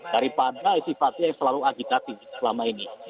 daripada sifatnya yang selalu aditatif selama ini